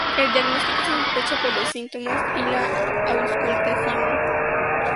El diagnóstico se sospecha por los síntomas y la auscultación.